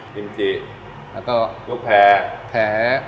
กิมจิแล้วก็ลูกแผล